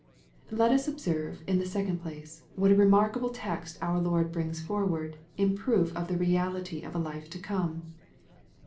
Let tts observe, in the second place, what a remarkable text our Lord brings forward, in proof of the reality of a life to come.